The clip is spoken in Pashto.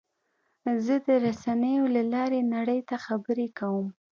زه د رسنیو له لارې نړۍ ته خبرې کوم.